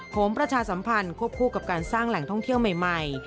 ประชามประชาสัมพันธ์ควบคู่กับการสร้างแหล่งท่องเที่ยวใหม่